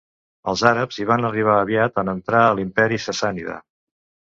Els àrabs hi van arribar aviat en entrar a l'imperi sassànida.